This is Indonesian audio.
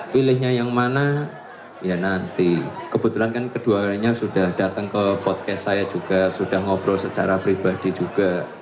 pilihnya yang mana ya nanti kebetulan kan keduanya sudah datang ke podcast saya juga sudah ngobrol secara pribadi juga